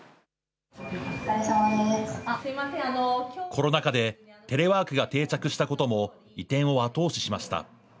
コロナ禍でテレワークが定着したことも、移転を後押ししました。